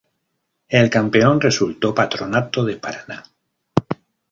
El Campeón resultó Patronato de Paraná